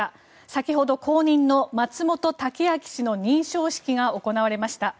先ほど、後任の松本剛明氏の認証式が行われました。